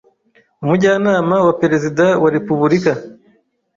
Umujyanama wa Perezida wa Repubulika